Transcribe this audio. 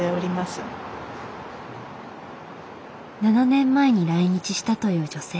７年前に来日したという女性。